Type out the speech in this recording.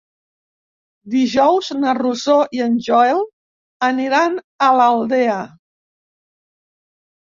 Dijous na Rosó i en Joel aniran a l'Aldea.